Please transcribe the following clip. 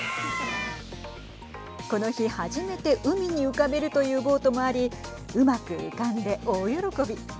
この日、初めて海に浮かべるというボートもありうまく浮かんで大喜び。